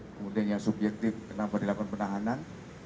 kemudian yang subjektif kenapa dilakukan penahanan